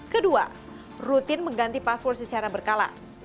kedua rutin mengganti password secara berkala